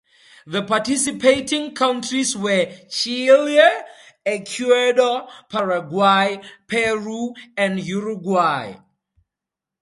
The participating countries were Chile, Ecuador, Paraguay, Peru, and Uruguay.